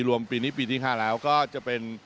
รวมปีนี้ปีที่๕แล้วก็จะเป็น